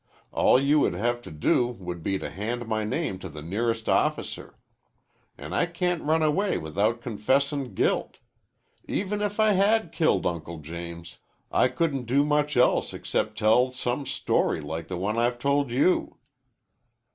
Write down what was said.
All you would have to do would be to hand my name to the nearest officer. An' I can't run away without confessin' guilt. Even if I had killed Uncle James, I couldn't do much else except tell some story like the one I've told you."